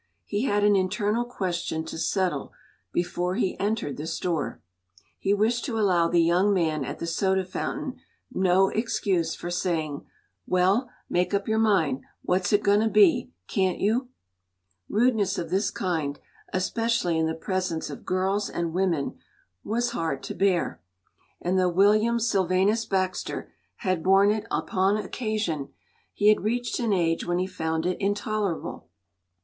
He had an internal question to settle before he entered the store: he wished to allow the young man at the soda fountain no excuse for saying, “Well, make up your mind what it's goin' to be, can't you?” Rudeness of this kind, especially in the presence of girls and women, was hard to bear, and though William Sylvanus Baxter had borne it upon occasion, he had reached an age when he found it intolerable.